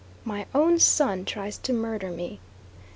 MY OWN SON TRIES TO MURDER ME.